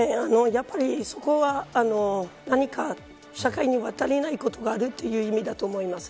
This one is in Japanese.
やはり、そこは何か社会には足りないことがあるという意味だと思います。